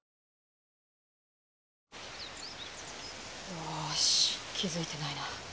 よし気付いてないな。